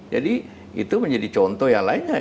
jadi itu menjadi contoh yang lainnya